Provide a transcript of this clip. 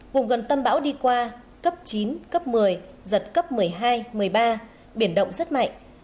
vùng gần tâm bão đi qua cấp chín cấp một mươi giật cấp một mươi hai một mươi ba biển động rất mạnh